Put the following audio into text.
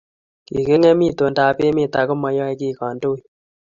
Kikingem itondap emet akomayoei ki kandoik